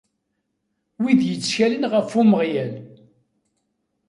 Wid yettkalen ɣef Umeɣlal.